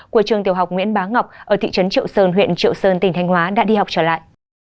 của trường tiểu học nguyễn bá ngọc ở thị trấn triệu sơn huyện triệu sơn tỉnh thanh hóa đã đi học trở lại